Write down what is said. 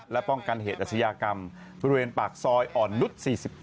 และป้องกันเหตุอาชญากรรมบริเวณปากซอยอ่อนนุษย์๔๑